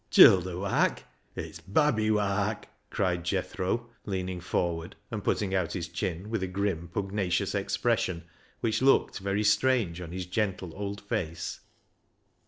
" Childer wark ? It's babby wark," cried Jethro, leaning forward, and putting out his chin with a grim, pugnacious expression which looked very strange on his gentle old face.